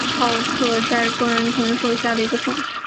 正德元年病重而亡。